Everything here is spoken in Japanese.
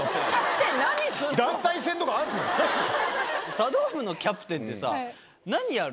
茶道部のキャプテンってさ何やるの？